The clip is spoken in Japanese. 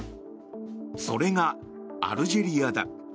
それが、アルジェリアだ。